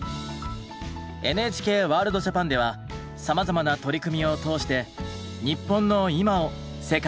「ＮＨＫワールドＪＡＰＡＮ」ではさまざまな取り組みを通して日本の今を世界に発信しています。